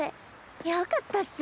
よかったっス。